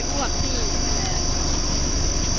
ครับมือครับมือ